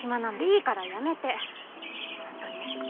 いいからやめてほんとに。